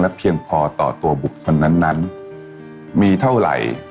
ส่วนความเพียงเราก็ถูกพูดอยู่ตลอดเวลาในเรื่องของความพอเพียง